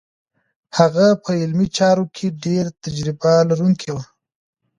هغه په علمي چارو کې ډېر تجربه لرونکی و.